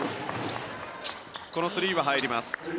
このスリーは入ります。